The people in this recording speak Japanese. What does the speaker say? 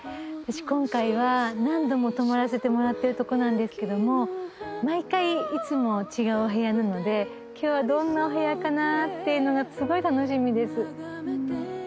今回は何度も泊まらせてもらってるとこなんですけども毎回いつも違うお部屋なので今日はどんなお部屋かなっていうのがすごい楽しみです。